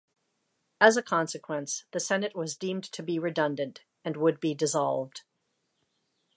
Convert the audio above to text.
As a consequence, the Senate was deemed to be redundant and would be dissolved.